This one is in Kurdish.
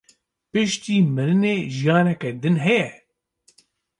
Piştî mirinê jiyanek din heye?